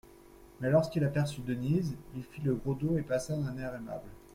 Mais, lorsqu'il aperçut Denise, il fit le gros dos et passa d'un air aimable.